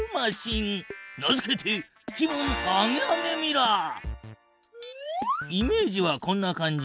名付けてイメージはこんな感じ。